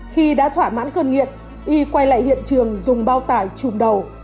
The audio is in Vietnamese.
khi đã thỏa mãn cơn nghiện y quay lại hiện trường dùng bao tải chùm đầu